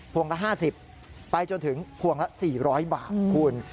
วงละ๕๐ไปจนถึงพวงละ๔๐๐บาทคุณ